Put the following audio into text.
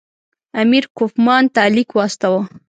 امیر کوفمان ته لیک واستاوه.